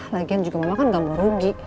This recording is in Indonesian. lagian juga mama kan gak mau rugi